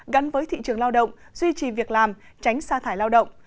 gắn với thị trường lao động duy trì việc làm tránh xa thải lao động